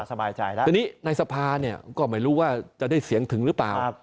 สบายใจแล้วทีนี้ในสภาเนี่ยก็ไม่รู้ว่าจะได้เสียงถึงหรือเปล่า